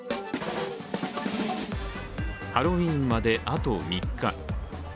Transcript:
ハロウィーンまで、あと３日。